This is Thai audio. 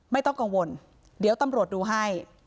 ไม่ต้องกังวลเดี๋ยวตำรวจดูให้